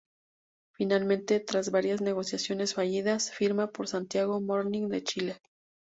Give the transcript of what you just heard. Finalmente, tras varias negociaciones fallidas, firma por Santiago Morning de Chile.